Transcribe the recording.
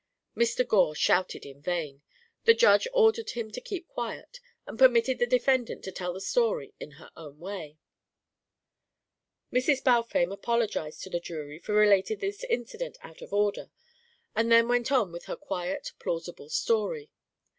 Mr. Gore shouted in vain. The Judge ordered him to keep quiet and permitted the defendant to tell the story in her own way. Mrs. Balfame apologised to the jury for relating this incident out of order, and then went on with her quiet plausible story.